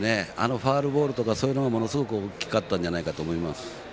ファウルボールとかがものすごく大きかったんじゃないかと思います。